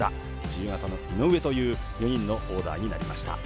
自由形の井上という４人のオーダーになりました。